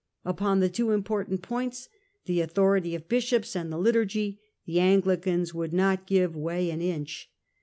Upon the two important points, the authority of bishops Savoy Con an< * liturgy, the Anglicans would not give ference. way an inch.